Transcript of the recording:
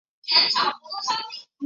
郑丁旺人。